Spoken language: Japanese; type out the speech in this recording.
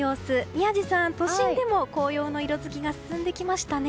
宮司さん、都心でも紅葉の色づきが進んできましたね。